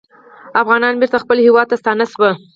افغانان بېرته خپل هیواد ته ستانه شوي